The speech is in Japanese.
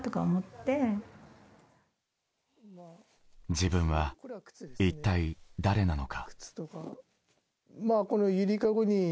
自分は一体誰なのか？